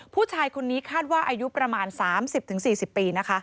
ผู้ชายคนนี้คาดว่าอายุประมาณ๓๐๔๐ปีนะคะ